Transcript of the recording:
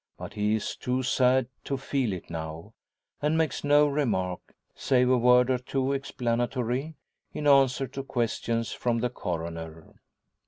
But he is too sad to feel it now; and makes no remark, save a word or two explanatory, in answer to questions from the Coroner.